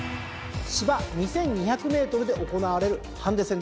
芝２，２００ｍで行われるハンデ戦です。